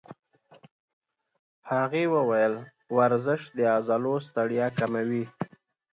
هغې وویل ورزش د عضلو ستړیا کموي.